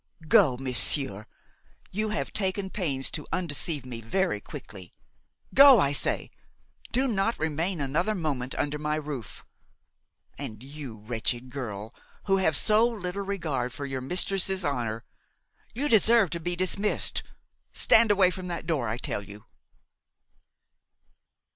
Go, monsieur; you have taken pains to undeceive me very quickly! Go, I say! do not remain another moment under my roof! And you, wretched girl, who have so little regard for your mistress's honor–you deserve to be dismissed. Stand away from that door, I tell you!"